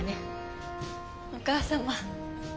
お母様。